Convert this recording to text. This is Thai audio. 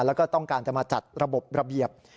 แล้วก็ต้องการจะมาจัดระบบระเบียบ